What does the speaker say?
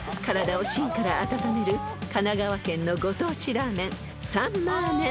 ［体を芯から温める神奈川県のご当地ラーメン］